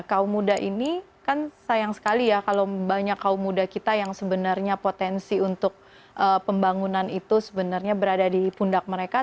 kaum muda ini kan sayang sekali ya kalau banyak kaum muda kita yang sebenarnya potensi untuk pembangunan itu sebenarnya berada di pundak mereka